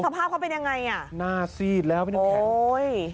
สภาพเค้าเป็นยังไงหน้าซีดแล้วไม่นึกแข็ง